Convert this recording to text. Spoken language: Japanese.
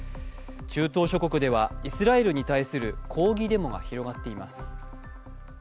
中東諸国ではイスラエルに対する抗議デモが広がっています。